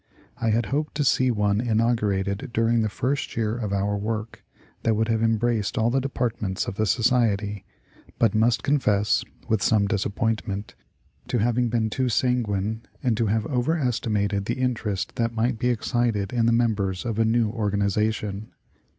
I had hoped to see one inaugurated during the first year of our work that would have embraced all the departments of the Society : but must confess with some disappointment, to having been too sanguine and to have over estimated the interest that might be excited in the members of a new organization.